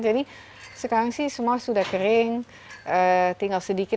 jadi sekarang sih semua sudah kering tinggal sedikit